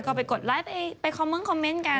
ก็ไปกดไลค์ไปคอมเมนต์คอมเมนต์กัน